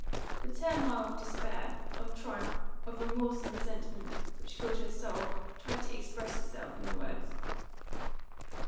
The turmoil of despair, of triumph, of remorse and resentment, which filled her soul, tried to express itself in the words.